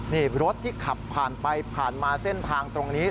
นี่รถที่ขับผ่านไปผ่านมาเส้นทางตรงนี้